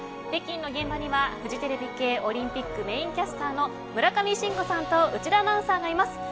北京の現場にはフジテレビ系オリンピックメインキャスターの村上信五さんと内田アナウンサーがいます。